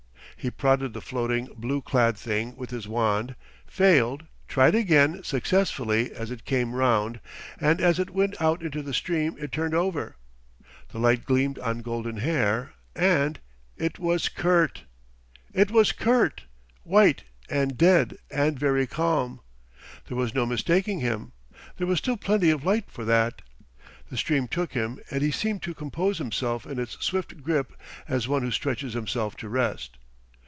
He prodded the floating blue clad thing with his wand, failed, tried again successfully as it came round, and as it went out into the stream it turned over, the light gleamed on golden hair and it was Kurt! It was Kurt, white and dead and very calm. There was no mistaking him. There was still plenty of light for that. The stream took him and he seemed to compose himself in its swift grip as one who stretches himself to rest.